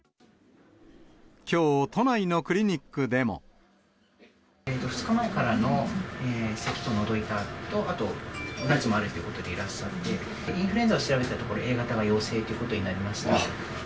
きょう、都内のクリニックで２日前からのせきとのどの痛みと、あとお熱もあるということでいらっしゃって、インフルエンザを調べたところ、Ａ型の陽性ということになりました。